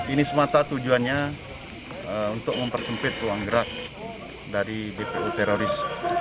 ini semata tujuannya untuk mempersempit ruang gerak dari bpu teroris